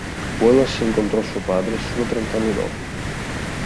Wallace incontrò suo padre solo trent'anni dopo.